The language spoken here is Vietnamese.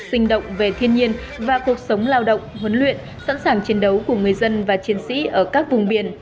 sinh động về thiên nhiên và cuộc sống lao động huấn luyện sẵn sàng chiến đấu của người dân và chiến sĩ ở các vùng biển